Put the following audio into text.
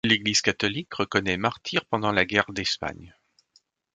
L'Église catholique reconnaît martyrs pendant la guerre d'Espagne.